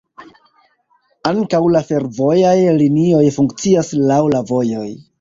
Ankaŭ la fervojaj linioj funkcias laŭ la vojoj.